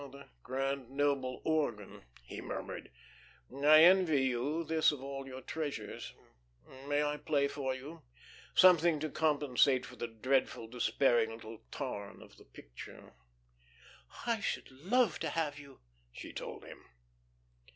"Oh, the grand, noble organ," he murmured. "I envy you this of all your treasures. May I play for you? Something to compensate for the dreadful, despairing little tarn of the picture." "I should love to have you," she told him.